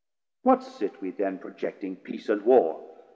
What sit we then projecting Peace and Warr?